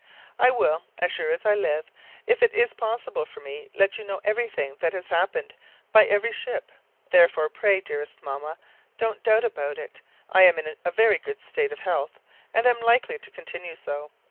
I will, as sure as I live, if it is possible for me, let you know everything that has happened, by every ship; therefore pray, dearest Mamma, don't doubt about it. I am in a very good state of health, and am likely to continue so.